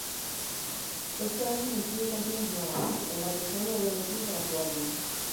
Este álbum incluye canciones nuevas, en la que Soni había elegido para su álbum.